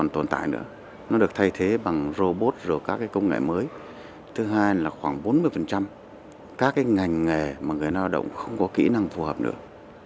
tương lai là khoảng bốn mươi các ngành nghề mà người lao động không có kỹ năng phù hợp được